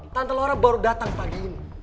tante laura baru datang pagi ini